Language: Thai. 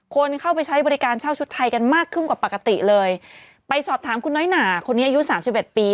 คนเข้าไปใช้บริการเช่าชุดไทยกันมากขึ้นกว่าปกติเลยไปสอบถามคุณน้อยหนาคนนี้อายุสามสิบเอ็ดปี